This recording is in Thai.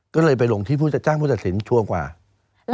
ก็เลยไปหลงที่จ้างผู้ตัดสินชั่วประมาณกว่า